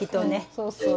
そうそう。